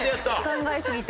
考えすぎて。